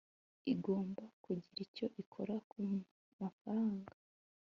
igomba kugira icyo ikora kumafaranga